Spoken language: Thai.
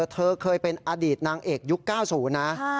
เธอเคยเป็นอดีตนางเอกยุค๙๐นะ